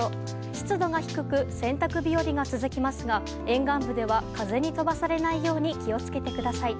湿度が低く洗濯日和が続きますが沿岸部では風に飛ばされないように気を付けてください。